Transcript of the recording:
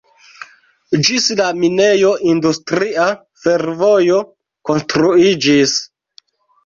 Ĝis la minejo industria fervojo konstruiĝis.